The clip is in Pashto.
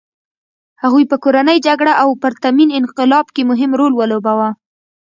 هغوی په کورنۍ جګړه او پرتمین انقلاب کې مهم رول ولوباوه.